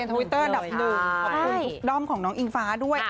ขอบคุณทุกด้อมของน้องอิงฟ้าด้วย